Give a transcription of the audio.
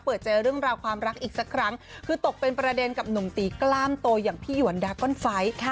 เปิดใจเรื่องราวความรักอีกสักครั้งคือตกเป็นประเด็นกับหนุ่มตีกล้ามโตอย่างพี่หยวนดาก้อนไฟ